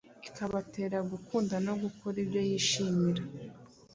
ikabatera gukunda no gukora ibyo yishimira.”